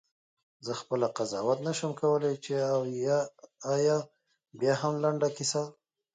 زه خپله قضاوت نه شم کولای چې آیا بیاهم لنډه کیسه.